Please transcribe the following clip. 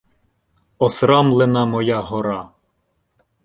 Осрамлена моя гора!